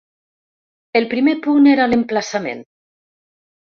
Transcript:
El primer punt era l’emplaçament.